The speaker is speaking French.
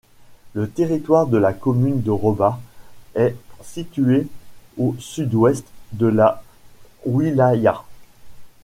Le territoire de la commune de Robbah est situé au sud-ouest de la wilaya.